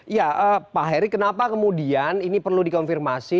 ya pak heri kenapa kemudian ini perlu dikonfirmasi